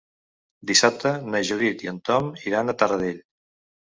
Dissabte na Judit i en Tom iran a Taradell.